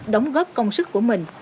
đóng góp công sức của mình